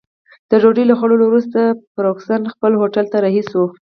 د ډوډۍ له خوړلو وروسته فرګوسن خپل هوټل ته رهي شوه.